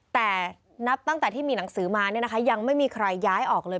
แต่นับตั้งแต่ที่มีหนังสือมายังไม่มีใครย้ายออกเลย